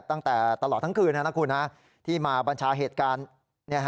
ตั้งแต่ตลอดทั้งคืนนะครับคุณฮะที่มาบรรชาเหตุการณ์